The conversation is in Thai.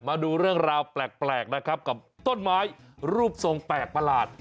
มาดูเรื่องราวแปลกนะครับกับต้นไม้รูปทรงแปลกประหลาด